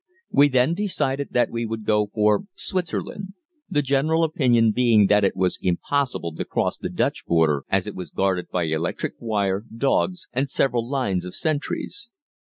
We then decided that we would go for Switzerland, the general opinion being that it was impossible to cross the Dutch border, as it was guarded by electric wire, dogs, and several lines of sentries.